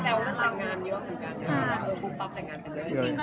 แต่ว่ามันหลายงานเยอะอยู่กัน